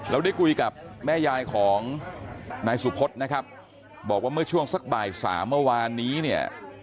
เราได้คุยกับแม่ยายของนายสุพธนะครับบอกว่าเมื่อช่วงสักบ่ายสามเมื่อวานนี้เนี่ย